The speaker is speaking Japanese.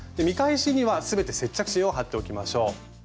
見返しには全て接着芯を貼っておきましょう。